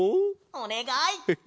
おねがい！